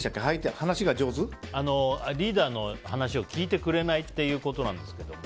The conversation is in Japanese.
話が上手？リーダーの話を聞いてくれないってことなんですけども。